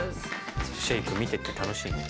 シェーク見てて楽しいね。